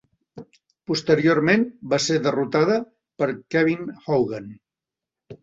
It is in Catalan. Posteriorment va ser derrotada per Kevin Hogan.